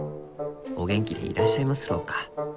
お元気でいらっしゃいますろうか？